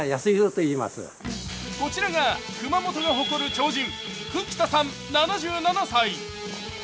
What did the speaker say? こちらが熊本が誇る超人・久木田さん７７歳。